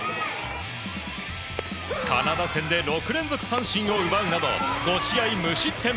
カナダ戦で６連続三振を奪うなど５試合無失点。